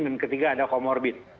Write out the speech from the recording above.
dan ketiga ada comorbid